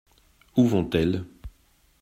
Où vont-elles ?